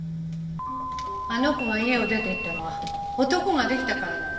あの子が家を出て行ったのは男ができたからなの。